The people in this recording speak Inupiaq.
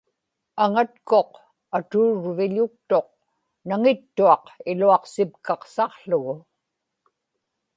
aŋatkuq atuurviḷuktuq naŋittuaq iluaqsipkaqsaqługu